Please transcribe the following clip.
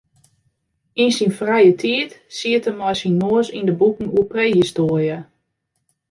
Yn syn frije tiid siet er mei syn noas yn de boeken oer prehistoarje.